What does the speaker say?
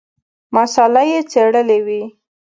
مساله یې څېړلې وي.